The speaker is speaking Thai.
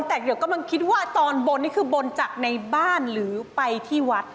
แต่เดี๋ยวกำลังคิดว่าตอนบนนี่คือบนจากในบ้านหรือไปที่วัด